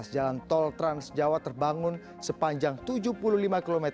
jalan tol transjawa terbangun sepanjang tujuh puluh lima km